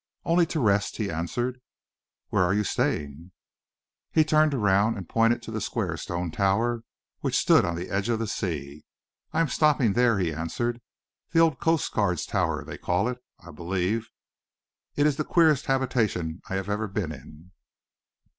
"Only to rest," he answered. "Where are you staying?" He turned around and pointed to the square stone tower which stood on the edge of the sea. "I am stopping there," he answered, "the old Coastguard's Tower they call it, I believe. It is the queerest habitation I have ever been in."